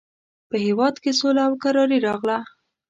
په هېواد کې سوله او کراري راغله.